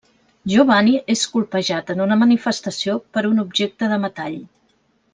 Giovanni és colpejat en una manifestació per un objecte de metall.